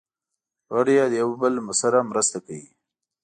غړي یې د یو بل سره مرسته کوي.